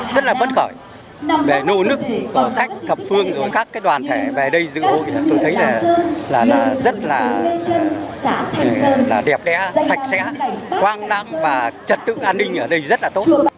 rất là bất khởi về nô nức của khách thập phương và các đoàn thể về đây dự hội tôi thấy rất là đẹp đẽ sạch sẽ quang đăng và trật tự an ninh ở đây rất là tốt